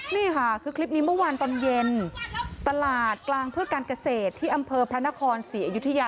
นี่ค่ะคือคลิปนี้เมื่อวานตอนเย็นตลาดกลางเพื่อการเกษตรที่อำเภอพระนครศรีอยุธยา